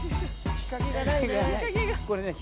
日陰がないね。